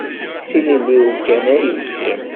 D tilelli-w kan i bɣiɣ.